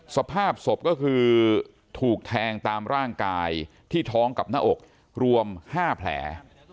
สภาพศพก็คือถูกแทงตามร่างกายที่ท้องกับหน้าอกรวม๕แผล